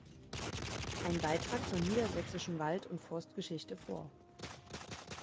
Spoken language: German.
Ein Beitrag zur Niedersächsischen Wald- und Forstgeschichte" vor.